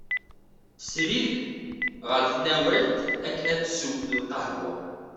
Srid ɣer tnawalt akken ad d-tessew lqahwa.